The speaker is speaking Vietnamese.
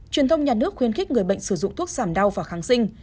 truyền thông nhà nước khuyến khích người bệnh sử dụng thuốc giảm đau và kháng sinh